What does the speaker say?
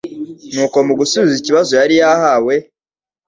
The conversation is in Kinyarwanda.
nuko mu gusubiza ikibazo yari yahawe,